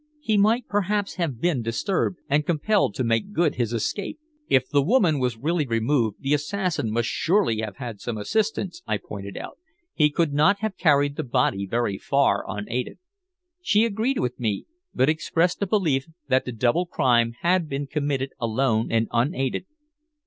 He might perhaps have been disturbed and compelled to make good his escape. "If the woman was really removed the assassin must surely have had some assistance," I pointed out. "He could not have carried the body very far unaided." She agreed with me, but expressed a belief that the double crime had been committed alone and unaided.